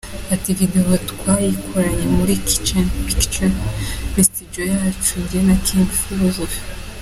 Ati “Video twayikoreye muri Kitchen Pictures, ni studio yacu njye na King Philosophe.